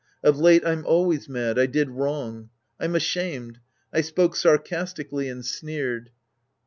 Of late I'm always mad. I did wrong. I'm ashamed. I spoke sarcastically and sneered.